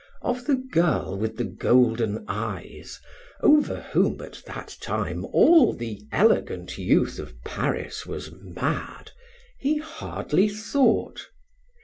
Of the girl with the golden eyes, over whom at that time all the elegant youth of Paris was mad, he hardly thought.